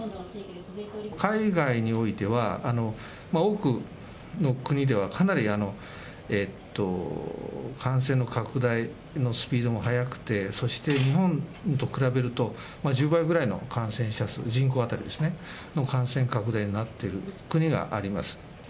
海外においては、多くの国では、かなり感染の拡大のスピードも速くて、そして日本と比べると、１０倍ぐらいの感染者数、人口当たりの感染拡大になっている国があります。